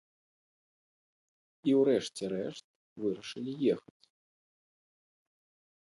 І ў рэшце рэшт вырашылі ехаць.